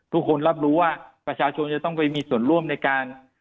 ทุกคนรับรู้ว่าประชาชนจะต้องไปมีส่วนร่วมในการ